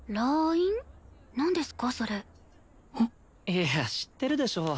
いや知ってるでしょ。